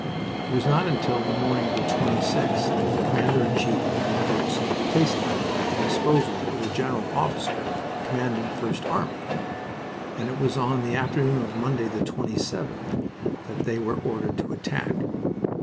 It was not until the morning of the 26th that the Commander in Chief "placed them at the disposal of the General Officer commanding First Army," and it was on the afternoon of Monday, the 27th, that they were ordered to attack.